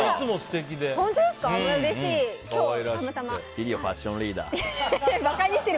千里はファッションリーダー。